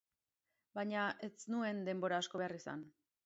Baina ez nuen denbora asko behar izan.